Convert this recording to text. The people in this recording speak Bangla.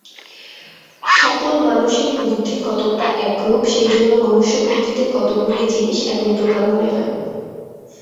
সকল মানুষেরই বুদ্ধি কতকটা একরূপ, সেইজন্য মনুষ্যবুদ্ধিতে কতকগুলি জিনিষ একই প্রকার মনে হয়।